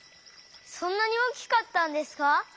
そんなに大きかったんですか？